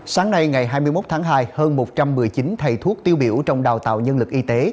sáng nay ngày hai mươi một tháng hai hơn một trăm một mươi chín thầy thuốc tiêu biểu trong đào tạo nhân lực y tế